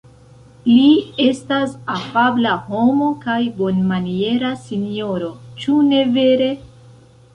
Li estas afabla homo kaj bonmaniera sinjoro, ĉu ne vere?